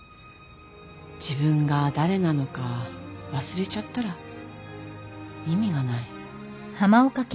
自分が誰なのか忘れちゃったら意味がない。